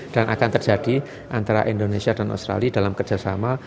dan akan terjadi antara indonesia dan australia dalam kerjasama